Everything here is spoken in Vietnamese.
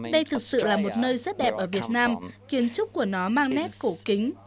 đây thật sự là một nơi rất đẹp ở việt nam kiến trúc của nó mang nét cổ kính